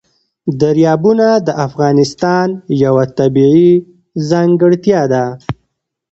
دریابونه د افغانستان یوه طبیعي ځانګړتیا ده.